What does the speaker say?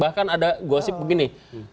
bahkan ada gosip begini